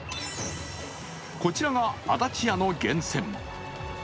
こちらが安達屋の源泉。